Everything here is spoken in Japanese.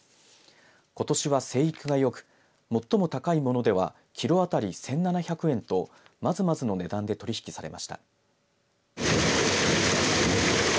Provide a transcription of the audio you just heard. ことしは生育がよく最も高いものではキロ当たり１７００円とまずまずの値段で取引されました。